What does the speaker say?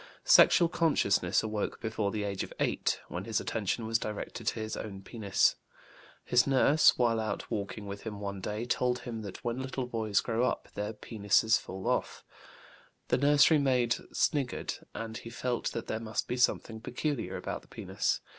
Sexual consciousness awoke before the age of 8, when his attention was directed to his own penis. His nurse, while out walking with him one day, told him that when little boys grow' up their penes fall off. The nursery maid sniggered, and he felt that there must be something peculiar about the penis.